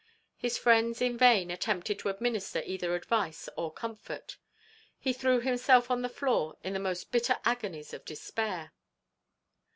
His friends in vain attempted to administer either advice or comfort; he threw himself on the floor in the most bitter agonies of despair.